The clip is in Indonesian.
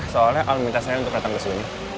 soalnya al minta saya untuk datang ke sini